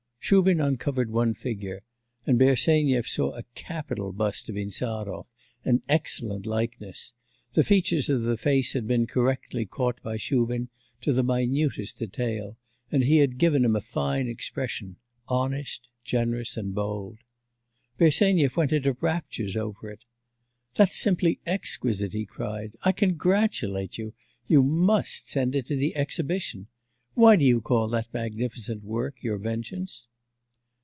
Shubin uncovered one figure, and Bersenyev saw a capital bust of Insarov, an excellent likeness. The features of the face had been correctly caught by Shubin to the minutest detail, and he had given him a fine expression, honest, generous, and bold. Bersenyev went into raptures over it. 'That's simply exquisite!' he cried. 'I congratulate you. You must send it to the exhibition! Why do you call that magnificent work your vengeance?